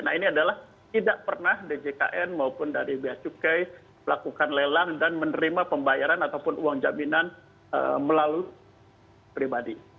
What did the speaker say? nah ini adalah tidak pernah djkn maupun dari bia cukai melakukan lelang dan menerima pembayaran ataupun uang jaminan melalui pribadi